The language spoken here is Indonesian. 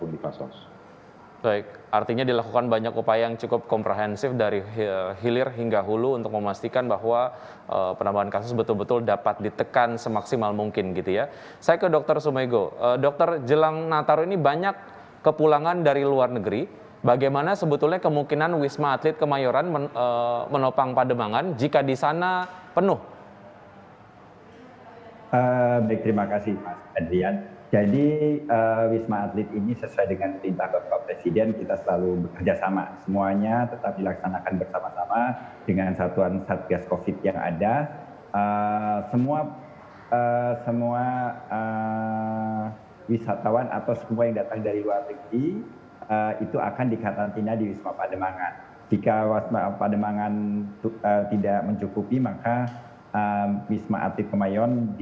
dia dirawat sesuai dengan aturan yang ada yaitu mereka yang diisolasi adalah mereka dengan pemeriksaan pcr positif